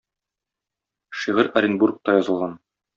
Шигырь Оренбургта язылган.